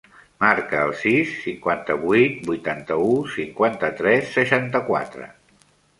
Marca el sis, cinquanta-vuit, vuitanta-u, cinquanta-tres, seixanta-quatre.